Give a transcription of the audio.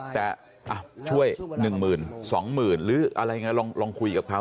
แต่ช่วยหนึ่งหมื่นสองหมื่นหรืออะไรอย่างนี้ลองคุยกับเขา